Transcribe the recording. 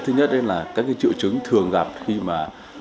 thứ nhất là các triệu chứng thường gặp khi mà